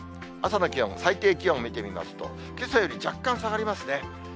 朝の気温、最低気温見てみますと、けさより若干下がりますね。